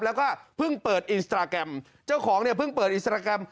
แล้วก็เพิ่งเปิดอินสตราแกรมเจ้าของเนี่ยเพิ่งเปิดอินสตราแกรม